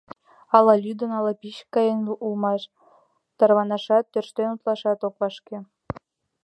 Ала лӱдын, ала пичкаен улмаш — тарванашат, тӧрштен утлашат ок вашке.